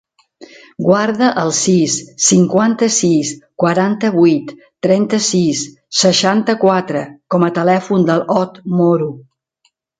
Guarda el sis, cinquanta-sis, quaranta-vuit, trenta-sis, seixanta-quatre com a telèfon de l'Ot Moro.